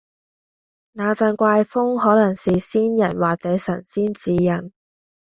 那陣怪風可能是先人或者神仙指引